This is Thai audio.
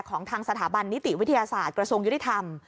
ของทางสถาบันนิติวิทยาศาสตร์กระทรวงยุติธรรม